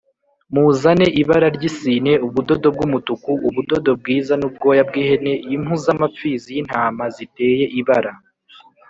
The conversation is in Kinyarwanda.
Muzane ibara ry’isine ubudodo bw’umutuku ubudodo bwiza n’ubwoya bw’ihene impu z’amapfizi y’ intama ziteye ibara